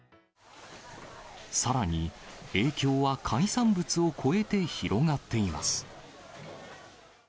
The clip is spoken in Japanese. さらに、影響は海産物を超えて広がっています。